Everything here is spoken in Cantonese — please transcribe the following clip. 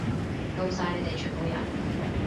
吿晒你哋全部人！